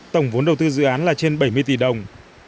tổng vốn đầu tư dự án là trên bảy mươi tỷ đồng